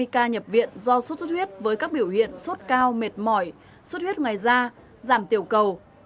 ca nhập viện do sốt sốt huyết với các biểu hiện sốt cao mệt mỏi sốt huyết ngoài da giảm tiểu cầu